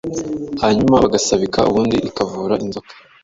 hanyuma bagasabika ubundi ikavura inzoka